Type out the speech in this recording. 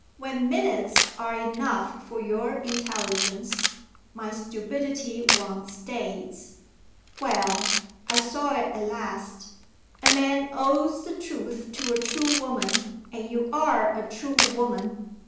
When minutes are enough for your intelligence, my stupidity wants days. Well! I saw it at last. A man owes the truth to a true woman; and you are a true woman.